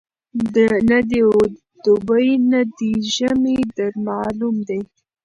نه دي دوبی نه دي ژمی در معلوم دی